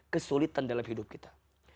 kesulitan dalam hidup kita